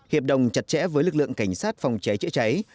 hiệp đồng chặt chẽ với lực lượng cảnh sát phòng cháy chữa cháy